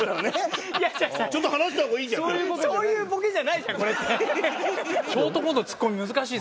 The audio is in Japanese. そういうボケじゃないじゃんこれって。